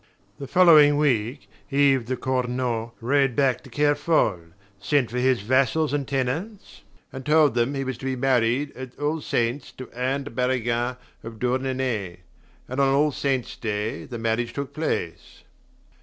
The following week Yves de Cornault rode back to Kerfol, sent for his vassals and tenants, and told them he was to be married at All Saints to Anne de Barrigan of Douarnenez. And on All Saints' Day the marriage took place.